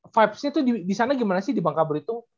vibes nya tuh disana gimana sih di bangkabur itu